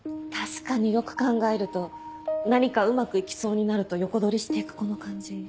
確かによく考えると何かうまく行きそうになると横取りして行くこの感じ。